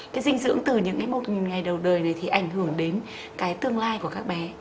cái dinh dưỡng từ những cái bột nhìn ngày đầu đời này thì ảnh hưởng đến cái tương lai của các bé